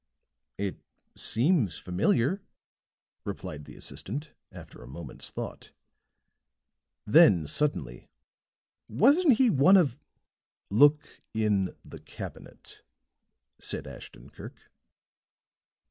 "It seems familiar," replied the assistant, after a moment's thought. Then suddenly: "Wasn't he one of " "Look in the cabinet," said Ashton Kirk.